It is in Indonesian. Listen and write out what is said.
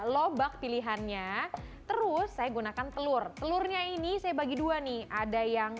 lobak pilihannya terus saya gunakan telur telurnya ini saya bagi dua nih ada yang